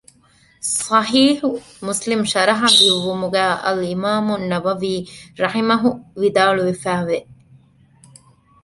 ޞަޙީޙު މުސްލިމުގެ ޝަރަޙަލިޔުއްވުމުގައި އަލްއިމާމުއްނަވަވީ ރަޙިމަހު ވިދާޅުވެފައިވެ